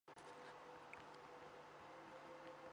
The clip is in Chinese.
这一变故导致乔清秀精神失常。